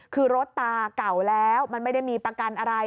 คือรถตาเก่าแล้วมันไม่ได้มีประกันอะไร